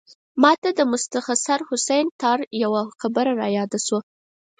ماته د مستنصر حسین تارړ یوه خبره رایاده شوه.